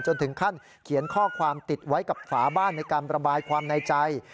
ถึงขั้นเขียนข้อความติดไว้กับฝาบ้านในการประบายความในใจ